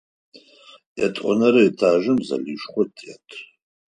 Ятӏонэрэ этажым залышхо тет.